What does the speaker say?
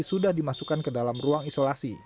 sudah dimasukkan ke dalam ruang isolasi